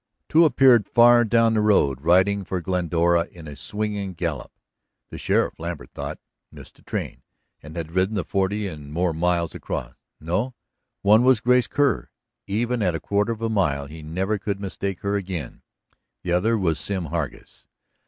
Two appeared far down the road, riding for Glendora in a swinging gallop. The sheriff, Lambert thought; missed the train, and had ridden the forty and more miles across. No; one was Grace Kerr. Even at a quarter of a mile he never could mistake her again. The other was Sim Hargus.